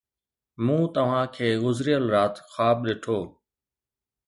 مون توهان کي گذريل رات خواب ڏٺو.